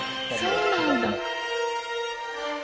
そうなんだ。